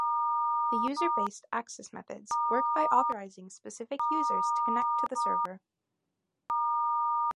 The user-based access methods work by authorizing specific users to connect to the server.